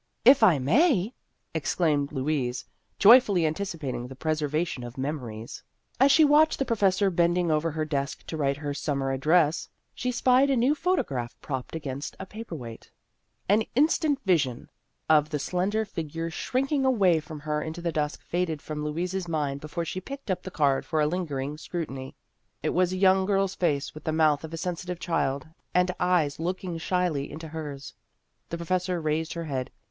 " If I may," exclaimed Louise, joyfully anticipating the preservation of memories. As she watched the professor bending over her desk to write her summer ad dress, she spied a new photograph propped against a paper weight. An in stant vision of the slender figure shrink The Ghost of Her Senior Year 231 ing away from her into the dusk faded from Louise's mind before she picked up the card for a lingering scrutiny. It was a young girl's face with the mouth of a sensitive child and eyes looking shyly into hers. The professor raised her head.